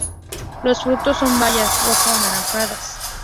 Los frutos son bayas rojo-anaranjadas.